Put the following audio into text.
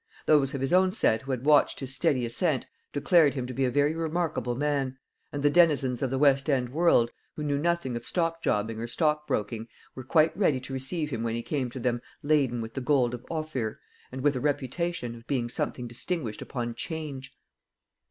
Those of his own set who had watched his steady ascent declared him to be a very remarkable man; and the denizens of the West end world, who knew nothing of stockjobbing or stockbroking, were quite ready to receive him when he came to them laden with the gold of Ophir, and with a reputation, of being something distinguished upon 'Change.